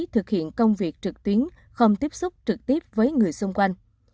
thực hiện công việc trực tuyến không tiếp xúc trực tiếp với người xung quanh